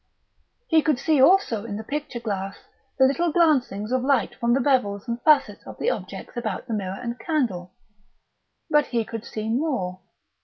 He could see also in the picture glass the little glancings of light from the bevels and facets of the objects about the mirror and candle. But he could see more.